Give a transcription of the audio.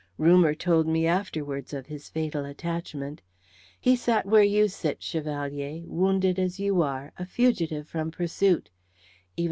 Rumour told me afterwards of his fatal attachment. He sat where you sit, Chevalier, wounded as you are, a fugitive from pursuit.